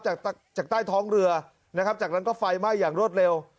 จากจากใต้ท้องเรือนะครับจากนั้นก็ไฟไหม้อย่างรวดเร็ว